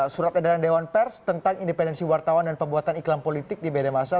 surat edaran dewan pers tentang independensi wartawan dan pembuatan iklan politik di media masa